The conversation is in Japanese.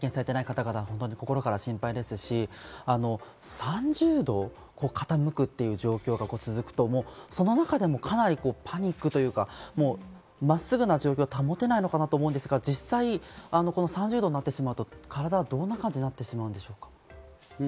今、まだ発見されていない方々、心から心配ですし、３０度傾くという状況が続くと、その中でもかなりパニックというか、まっすぐな状況を保てないのかなと思うんですが、実際３０度となってしまうと体はどんな感じになってしまうんでしょうか？